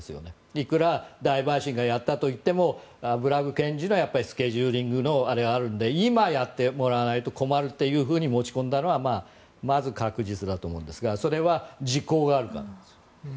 いくら、大陪審がやったといってもブラッグ検事のスケジューリングのあれがあるので今、やってもらわないと困るというふうに持ち込んだのはまず確実だと思うんですがそれは時効があるからです。